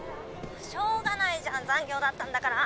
しょうがないじゃん残業だったんだから。